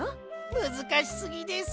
むずかしすぎです。